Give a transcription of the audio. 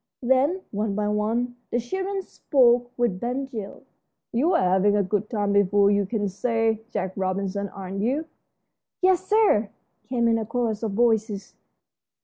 Then, one by one, the children spoke with Ben Gile. "You're having a good time before you can say Jack Robinson, aren't you?" "Yes, sir," came in a chorus of voices.